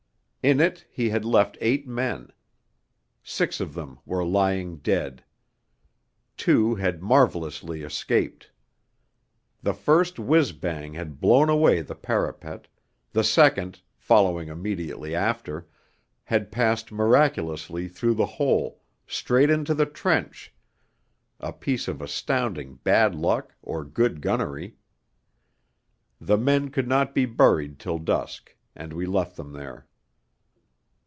In it he had left eight men; six of them were lying dead. Two had marvellously escaped. The first whizz bang had blown away the parapet; the second, following immediately after, had passed miraculously through the hole, straight into the trench a piece of astounding bad luck or good gunnery. The men could not be buried till dusk, and we left them there.